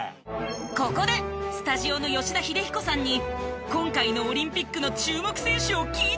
ここでスタジオの吉田秀彦さんに今回のオリンピックの注目選手を聞いてみました。